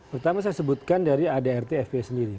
pertama saya sebutkan dari adrt fpi sendiri